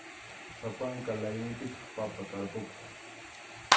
Sapanka laymipitaq papa tarpukuq.